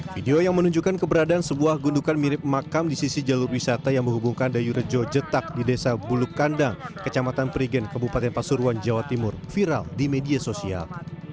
video yang menunjukkan keberadaan sebuah gundukan mirip makam di sisi jalur wisata yang menghubungkan dayu rejo jetak di desa buluk kandang kecamatan perigen kabupaten pasuruan jawa timur viral di media sosial